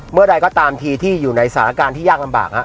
เมื่อใดก็ตามทีที่อยู่ในสถานการณ์ที่ยากลำบาก